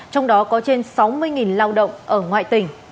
trong đó có trên sáu mươi lao động ở ngoại tỉnh